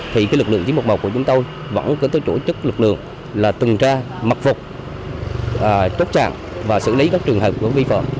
thì lực lượng chín trăm một mươi một của chúng tôi vẫn có tổ chức lực lượng là tuần tra mặc vục tốt trạng và xử lý các trường hợp vi phẩm